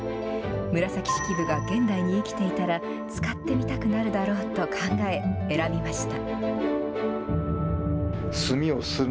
紫式部が現代に生きていたら使ってみたくなるだろうと考え選びました。